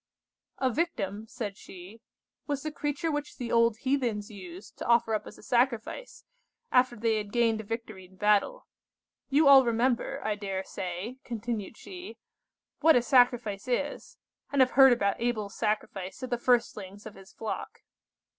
"A victim," said she, "was the creature which the old heathens used to offer up as a sacrifice, after they had gained a victory in battle. You all remember I dare say," continued she, "what a sacrifice is, and have heard about Abel's sacrifice of the firstlings of his flock."